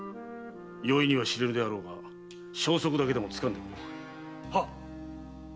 容易には知れぬであろうが消息だけでもつかんでくれ。